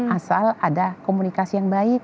asal ada komunikasi yang baik